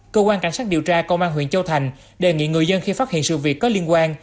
cơ quan cảnh sát điều tra công an huyện châu thành đề nghị người dân khi phát hiện sự việc có liên quan